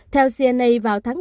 theo cna vào tháng chín